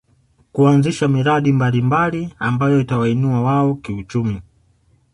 Kuanzisha miradi mbalimbali ambayo itawainua wao kiuchumi